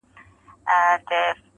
بلکې د نورو معیار هم ورته معلوم دی